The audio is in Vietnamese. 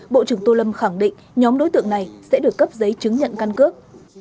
bộ trưởng tô lâm khẳng định nhóm đối tượng này sẽ được cấp giấy chứng nhận căn cước